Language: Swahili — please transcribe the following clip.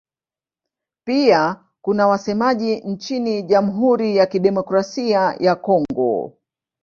Pia kuna wasemaji nchini Jamhuri ya Kidemokrasia ya Kongo.